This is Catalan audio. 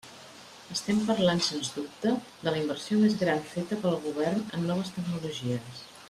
Estem parlant, sens dubte, de la inversió més gran feta pel Govern en noves tecnologies.